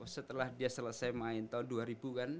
setelah dia selesai main tahun dua ribu kan